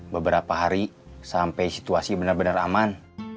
beberapa hari sampai situasi bener bener aman